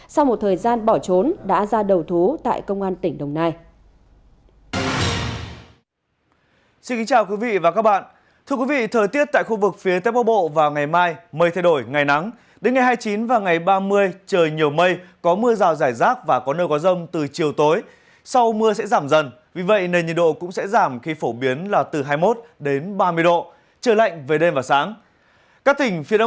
sau một thời gian bỏ trốn đã ra đầu thú tại công an tỉnh đồng nai